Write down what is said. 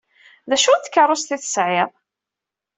D acu n tkeṛṛust ay tesɛid?